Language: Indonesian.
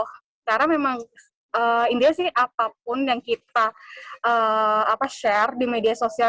karena memang indah sih apapun yang kita share di media sosial